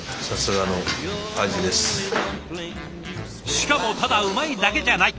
しかもただうまいだけじゃない。